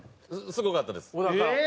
すごかったです。